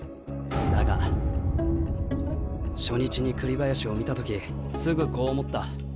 だが初日に栗林を見た時すぐこう思った。